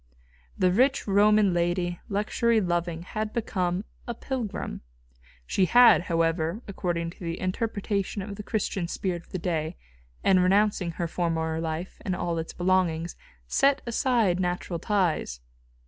The rich Roman lady, luxury loving, had become a pilgrim. She had, however, according to the interpretation of the Christian spirit of that day, in renouncing her former life and all its belongings, set aside natural ties.